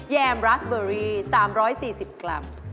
แยมราสเบอร์รี๓๔๐กรัม